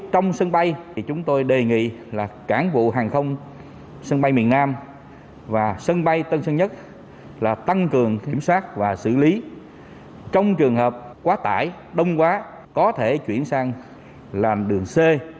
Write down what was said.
trong trường hợp quá tải đông quá có thể chuyển sang làng đường c